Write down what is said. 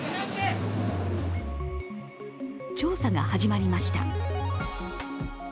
調査が始まりました。